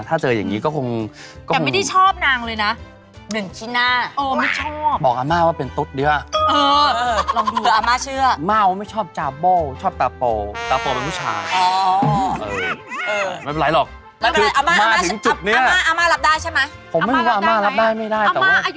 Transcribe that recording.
แต่งงานนะอีสวยด้วยอีสวยมากเลยอ่อแต่งงานนะอี